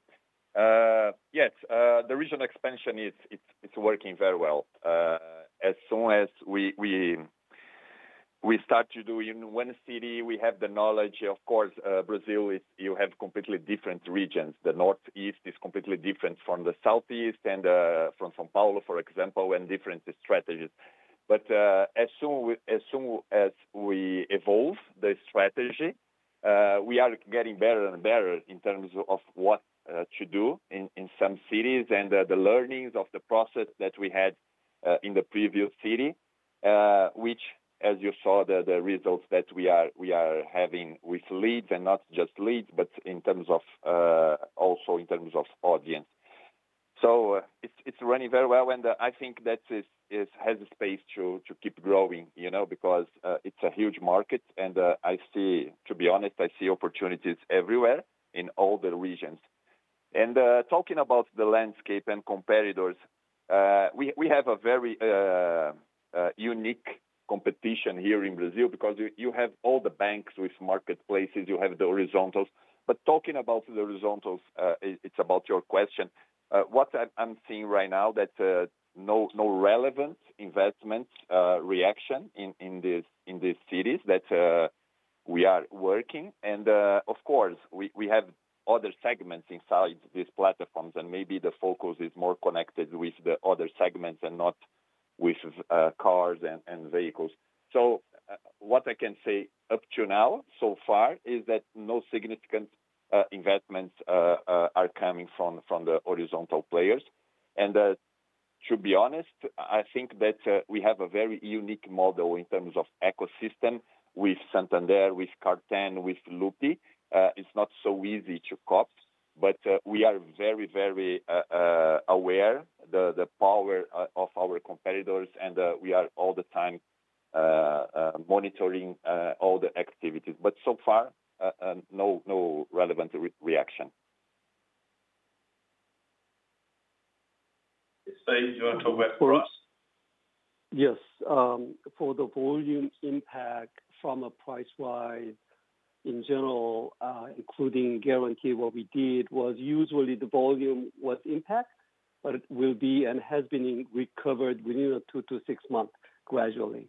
Speaker 5: Yes, the regional expansion is working very well. As soon as we start to do in one city, we have the knowledge. Of course, Brazil, you have completely different regions. The northeast is completely different from the southeast and from São Paulo, for example, and different strategies. But as soon as we evolve the strategy, we are getting better and better in terms of what to do in some cities and the learnings of the process that we had in the previous city, which, as you saw, the results that we are having with leads and not just leads, but in terms of also in terms of audience. So it's running very well. And I think that has space to keep growing because it's a huge market. And I see, to be honest, I see opportunities everywhere in all the regions. And talking about the landscape and competitors, we have a very unique competition here in Brazil because you have all the banks with marketplaces. You have the horizontals. But talking about the horizontals, it's about your question. What I'm seeing right now, that no relevant investment reaction in these cities that we are working. And of course, we have other segments inside these platforms, and maybe the focus is more connected with the other segments and not with cars and vehicles. So what I can say up to now, so far, is that no significant investments are coming from the horizontal players. And to be honest, I think that we have a very unique model in terms of ecosystem with Santander, with Car10, with Loop. It's not so easy to copy, but we are very, very aware of the power of our competitors, and we are all the time monitoring all the activities. But so far, no relevant reaction. Do you want to talk about for us?
Speaker 7: Yes. For the volume impact from price-wise, in general, including guarantee, what we did was usually the volume was impacted, but it will be and has been recovered within two to six months gradually,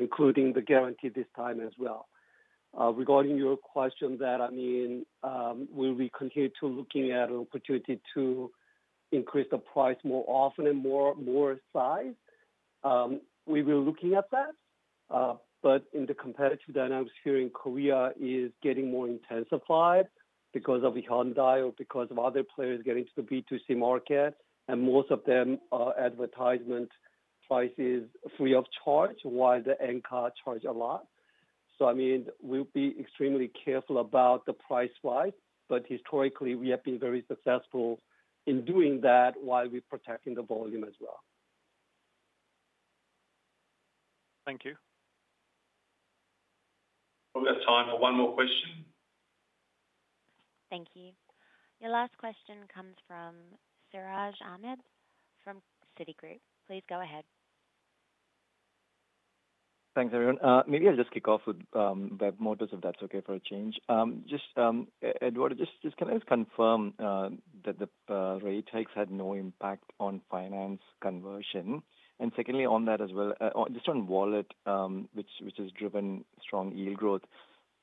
Speaker 7: including the guarantee this time as well. Regarding your question that, I mean, will we continue to look at an opportunity to increase the price more often and more size? We were looking at that. But in the competitive dynamics here in Korea is getting more intensified because of Hyundai or because of other players getting to the B2C market. And most of them are advertisement prices free of charge, while Encar charges a lot. So I mean, we'll be extremely careful about price-wise. But historically, we have been very successful in doing that while we're protecting the volume as well. Thank you.
Speaker 2: We've got time for one more question. Thank you.
Speaker 1: Your last question comes from Siraj Ahmed from Citi. Please go ahead.
Speaker 9: Thanks, everyone. Maybe I'll just kick off with Webmotors if that's okay for a change. Just, Eduardo, just can I just confirm that the rate hikes had no impact on finance conversion? And secondly, on that as well, just on Wallet, which has driven strong yield growth,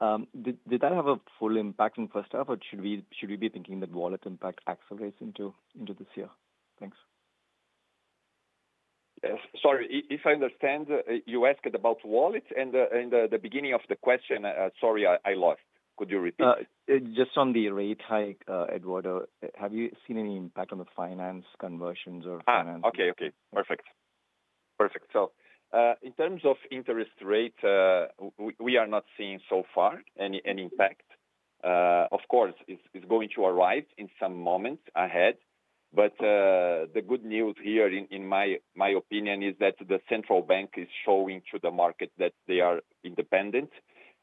Speaker 9: did that have a full impact in first half, or should we be thinking that Wallet impact accelerates into this year? Thanks.
Speaker 5: Sorry, if I understand, you asked about Wallet, and the beginning of the question, sorry, I lost. Could you repeat?
Speaker 9: Just on the rate hike, Eduardo, have you seen any impact on the finance conversions or finance?
Speaker 5: Okay, okay. Perfect. Perfect. So in terms of interest rate, we are not seeing so far any impact. Of course, it's going to arrive in some moments ahead. But the good news here, in my opinion, is that the central bank is showing to the market that they are independent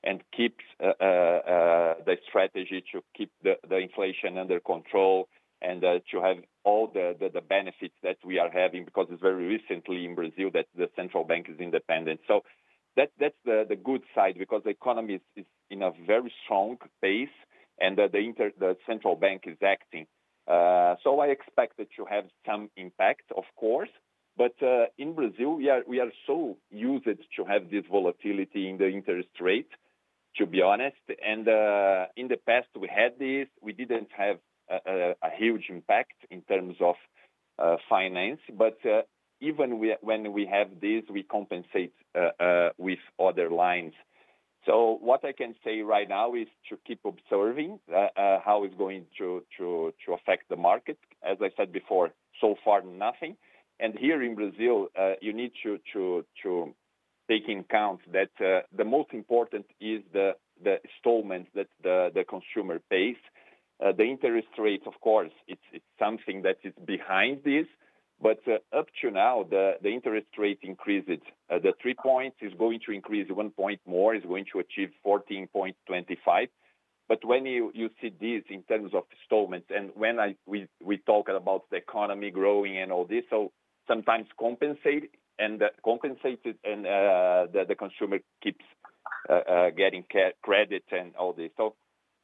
Speaker 5: and keeps the strategy to keep the inflation under control and to have all the benefits that we are having because it's very recently in Brazil that the central bank is independent. So that's the good side because the economy is in a very strong pace and the central bank is acting. So I expect it to have some impact, of course. But in Brazil, we are so used to have this volatility in the interest rate, to be honest. And in the past, we had this. We didn't have a huge impact in terms of finance. But even when we have this, we compensate with other lines. So what I can say right now is to keep observing how it's going to affect the market. As I said before, so far, nothing. And here in Brazil, you need to take into account that the most important is the installment that the consumer pays. The interest rate, of course, it's something that is behind this. But up to now, the interest rate increases. The three points is going to increase one point more. It's going to achieve 14.25. But when you see this in terms of installments and when we talk about the economy growing and all this, so sometimes compensated and the consumer keeps getting credit and all this. So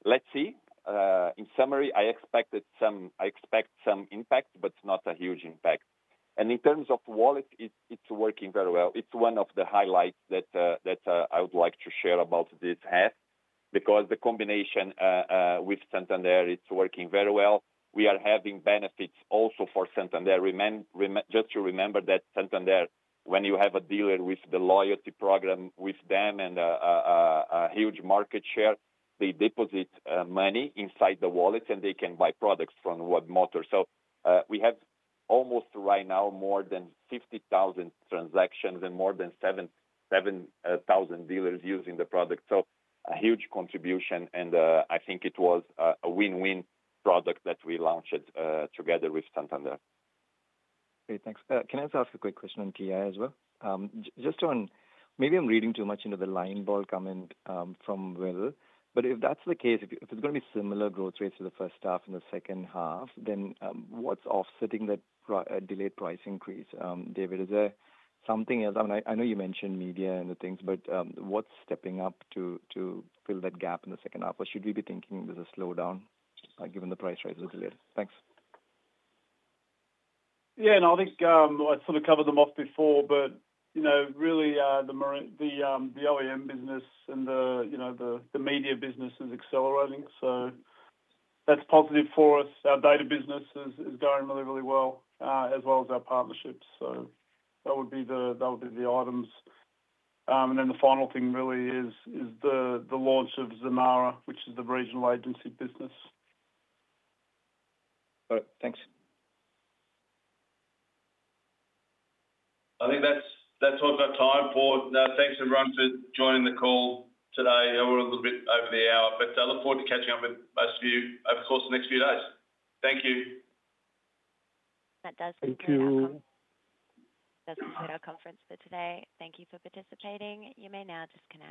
Speaker 5: let's see. In summary, I expect some impact, but not a huge impact. And in terms of wallet, it's working very well. It's one of the highlights that I would like to share about this half because the combination with Santander, it's working very well. We are having benefits also for Santander. Just to remember that Santander, when you have a dealer with the loyalty program with them and a huge market share, they deposit money inside the wallet, and they can buy products from Webmotors. So we have almost right now more than 50,000 transactions and more than 7,000 dealers using the product. So a huge contribution, and I think it was a win-win product that we launched together with Santander.
Speaker 9: Great. Thanks. Can I just ask a quick question on TI as well? Just on, maybe I'm reading too much into the line ball comment from Will. But if that's the case, if it's going to be similar growth rates for the first half and the second half, then what's offsetting that delayed price increase? David, is there something else? I mean, I know you mentioned media and the things, but what's stepping up to fill that gap in the second half? Or should we be thinking there's a slowdown given the price rise of the delayed? Thanks.
Speaker 4: Yeah, and I think I sort of covered them off before, but really, the OEM business and the media business is accelerating. So that's positive for us. Our data business is going really, really well, as well as our partnerships. So that would be the items. And then the final thing really is the launch of Zonara, which is the regional agency business.
Speaker 9: All right. Thanks.
Speaker 2: I think that's all of our time for now. Thanks, everyone, for joining the call today. We're a little bit over the hour, but I look forward to catching up with most of you, of course, in the next few days. Thank you.
Speaker 1: That does conclude our conference for today. Thank you for participating. You may now just disconnect.